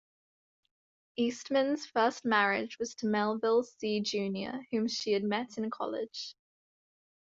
Eastman's first marriage was to Melville See Junior whom she had met in college.